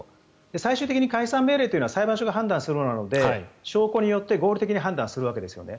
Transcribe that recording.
最終的に解散命令というのは裁判所が判断するものなので証拠によって合理的に判断するわけですよね。